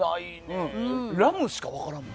ラムしか分からんもん。